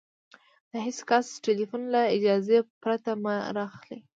د هېڅ کس ټلیفون له اجازې پرته مه را اخلئ!